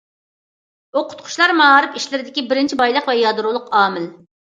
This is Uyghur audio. ئوقۇتقۇچىلار مائارىپ ئىشلىرىدىكى بىرىنچى بايلىق ۋە يادرولۇق ئامىل.